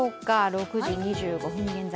６時２５分現在。